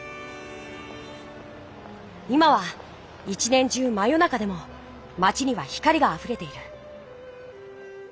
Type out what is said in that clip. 今は一年じゅうま夜中でも町には光があふれている。